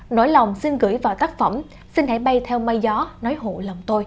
nỗi lòng xin gửi vào tác phẩm xin hãy bay theo mây gió nói hụ lòng tôi